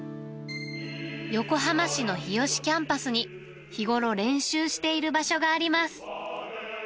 横浜市の日吉キャンパスに、日頃練習している場所があります。